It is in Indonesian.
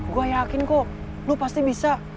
gue yakin ko lu pasti bisa